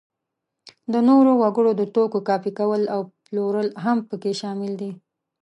د نورو وګړو د توکو کاپي کول او پلورل هم په کې شامل دي.